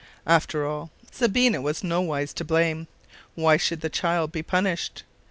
After all, Sabina was nowise to blame: why should the child be punished?